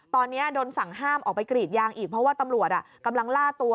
ตอนนี้โดนสั่งห้ามออกไปกรีดยางอีกเพราะว่าตำรวจกำลังล่าตัว